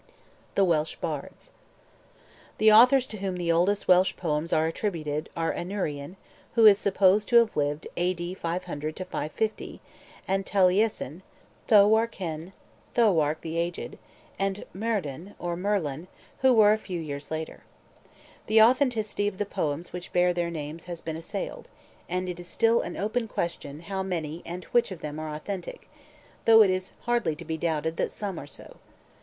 THE WELSH BARDS The authors to whom the oldest Welsh poems are attributed are Aneurin, who is supposed to have lived A.D. 500 to 550, and Taliesin, Llywarch Hen (Llywarch the Aged), and Myrddin or Merlin, who were a few years later. The authenticity of the poems which bear their names has been assailed, and it is still an open question how many and which of them are authentic, though it is hardly to be doubted that some are so.